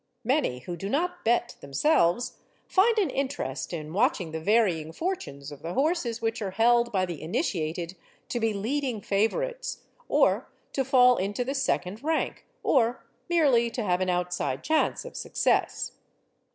Many who do not bet themselves, find an interest in watching the varying fortunes of the horses which are held by the initiated to be leading favourites, or to fall into the second rank, or merely to have an outside chance of success.